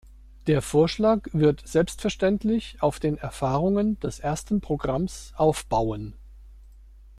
Der Vorschlag wird selbstverständlich auf den Erfahrungen des ersten Programms aufbauen.